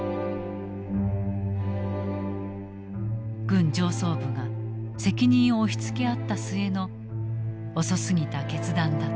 軍上層部が責任を押しつけ合った末の遅すぎた決断だった。